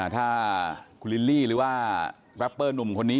ถ้าคุณลิลลี่หรือว่าแรปเปอร์หนุ่มคนนี้